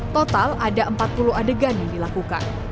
total ada empat puluh adegan yang dilakukan